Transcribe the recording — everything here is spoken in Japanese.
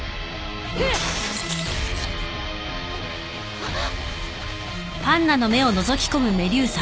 あっ！